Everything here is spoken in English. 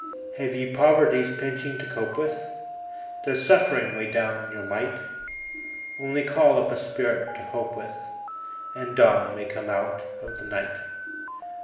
Have ye Poverty's pinching to cope with? Does Suffering weigh down your might? Only call up a spirit to hope with, And dawn may come out of the night.